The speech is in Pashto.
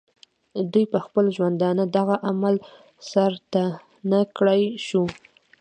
دوي پۀ خپل ژوندانۀ دغه عمل سر ته نۀ کړے شو